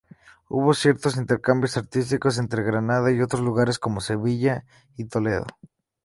Hubo ciertos intercambios artísticos entre Granada y otros lugares, como Sevilla y Toledo.